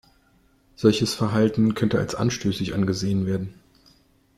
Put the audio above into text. Solches Verhalten könnte als anstößig angesehen werden.